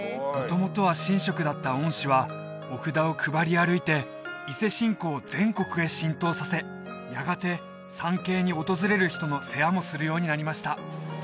元々は神職だった御師はお札を配り歩いて伊勢信仰を全国へ浸透させやがて参詣に訪れる人の世話もするようになりました